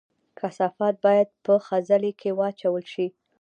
کثافات باید په خځلۍ کې واچول شي